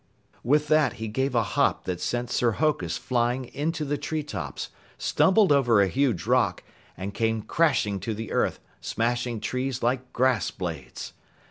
With that, he gave a hop that sent Sir Hokus flying into the treetops, stumbled over a huge rock, and came crashing to the earth, smashing trees like grass blades.